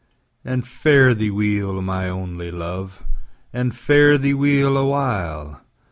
And fare thee weel, my only Luve, And fare thee weel a while!